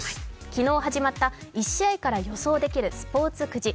昨日始まった１試合から予想できるスポーツくじ。